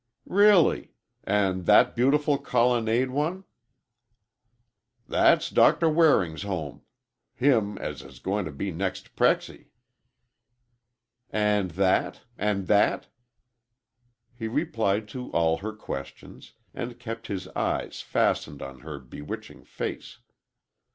"Really! And that beautiful colonnade one?" "That's Doctor Waring's home. Him as is going to be next Prexy." "And that? And that?" He replied to all her questions, and kept his eyes fastened on her bewitching face.